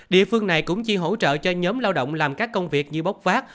địa phương này cũng chi hỗ trợ cho nhóm lao động làm các công việc như bốc vác